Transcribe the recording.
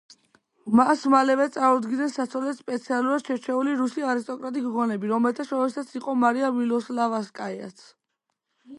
მას მალევე წარუდგინეს საცოლედ სპეციალურად შერჩეული რუსი არისტოკრატი გოგონები, რომელთა შორისაც იყო მარია მილოსლავსკაიაც.